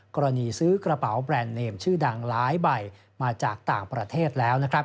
กรณีซื้อกระเป๋าแบรนด์เนมชื่อดังหลายใบมาจากต่างประเทศแล้วนะครับ